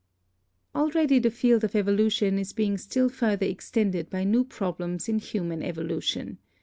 Already the field of evolution is being still further ex tended by new problems in human evolution.